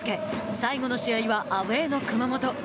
最後の試合はアウェーの熊本。